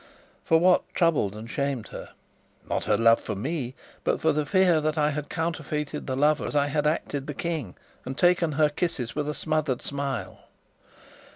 For what troubled and shamed her? Not her love for me, but the fear that I had counterfeited the lover as I had acted the King, and taken her kisses with a smothered smile.